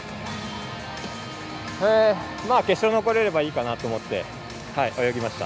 まあ決勝に残れればいいかなと思って泳ぎました。